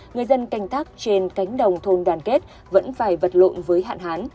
người dân canh tác trên cánh đồng thôn đoàn kết vẫn phải vật lộn với hạn hán